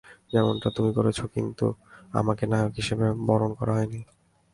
যেমনটা তুমি করেছো কিন্তু, আমাকে নায়ক হিসেবে বরণ করা হয়নি।